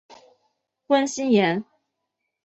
关心妍